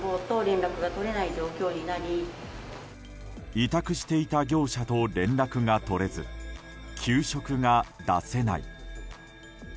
委託していた業者と連絡が取れず、給食が出せない。